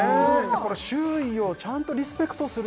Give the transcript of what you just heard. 周囲をちゃんとリスペクトする